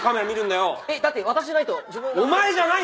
だって私じゃないと。